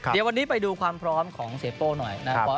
เดี๋ยววันนี้ไปดูความพร้อมของเสียโป้หน่อยนะครับ